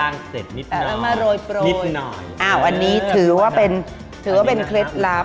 นิดหน่อยมาโรยอันนี้ถือว่าเป็นเคล็ดลับ